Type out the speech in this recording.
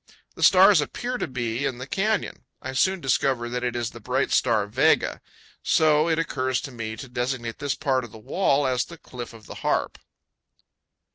The stars appear to be in the canyon. I soon discover that it is the bright star Vega; so it occurs to me to designate this part of the wall as the "Cliff of the Harp."